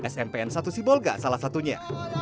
smpn satu sibolga salah satunya